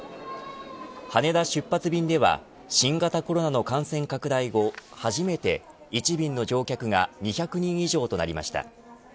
羽田出発便では新型コロナの感染拡大後初めて１便の乗客が２００人以上となりました。